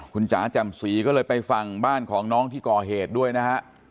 คุณจ๋าแจ่มศรีก็เลยไปฝั่งบ้านของน้องที่ก่อเหตุด้วยนะฮะ